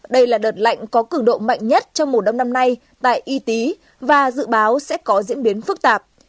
đây là đợt lạnh có cường độ mạnh nhất trong mùa đông năm nay tại y tý và dự báo sẽ có diễn biến phức tạp